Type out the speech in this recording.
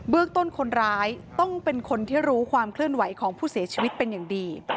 เรื่องต้นคนร้ายต้องเป็นคนที่รู้ความเคลื่อนไหวของผู้เสียชีวิตเป็นอย่างดี